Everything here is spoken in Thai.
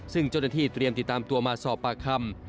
ซึ่งเจ้าหน้าที่เตรียมติดตามตัวมาสอบปากคำ